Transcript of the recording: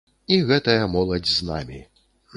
І гэтая моладзь з намі.